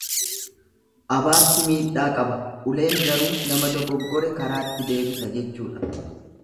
Abaarsi miidhaa qaba uleen garuu nama dogoggore karaatti deebisa jechuudha.